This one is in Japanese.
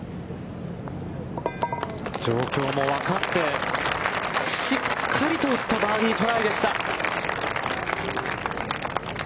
状況も分かって、しっかりと打ったバーディートライでした。